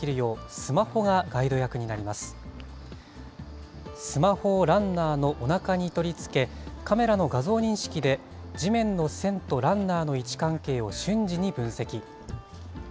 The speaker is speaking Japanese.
スマホをランナーのおなかに取り付け、カメラの画像認識で地面の線とランナーの位置関係を瞬時に分析。